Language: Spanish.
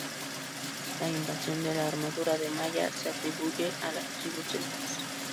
La invención de la armadura de malla se atribuye a las tribus celtas.